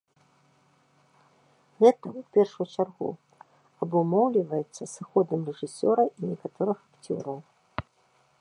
Гэта, у першую чаргу, абумоўліваецца сыходам рэжысёра і некаторых акцёраў.